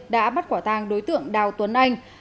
đã bắt quả tàng đối tượng đào tuấn anh